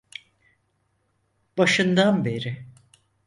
Başından beri.